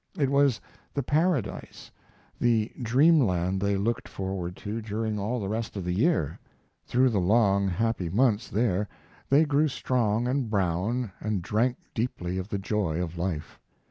It was the paradise, the dreamland they looked forward to during all the rest of the year. Through the long, happy months there they grew strong and brown, and drank deeply of the joy of life.